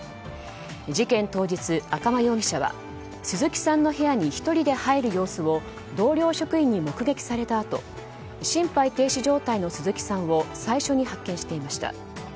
事件当日、赤間容疑者は鈴木さんの部屋に１人で入る様子を同僚職員に目撃されたあと心肺停止状態の鈴木さんを最初に発見していました。